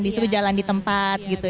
disuruh jalan di tempat gitu